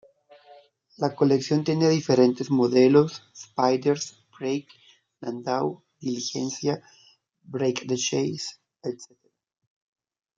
La colección tiene diferentes modelos, spiders, breaks, landau, diligencia, break de chasse, etc.